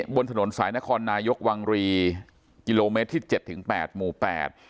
บนถนนสายนครนายกวังรีกิโลเมตรที่เจ็ดถึงแปดหมู่แปด